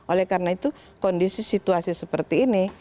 oleh karena itu kondisi situasi seperti ini